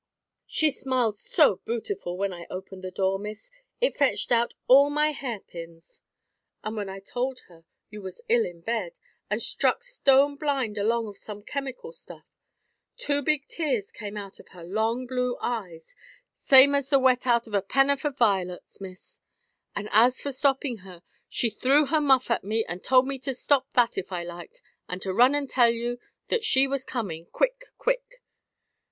"She smiled so bootiful, when I opened the door, Miss, it fetched out all my hair pins; and when I told her you was ill in bed, and struck stone blind along of some chemical stuff, two big tears came out of her long blue eyes, same as the wet out of a pennorth of violets, Miss; and as for stopping her, she threw her muff at me, and told me to stop that if I liked, and to run and tell you that she was coming, quick, quick!